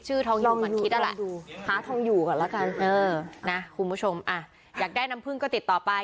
ชื่อทองอยู่มันคิดอ่ะแหละคุณผู้ชมอยากได้น้ำพึ่งก็ติดต่อไป